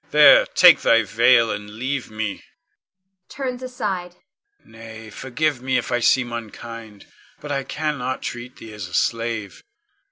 There, take thy veil, and leave me [turns aside]. Nay, forgive me if I seem unkind, but I cannot treat thee as a slave.